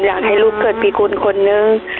อยากให้ลูกเกิดปีคุณคนนึง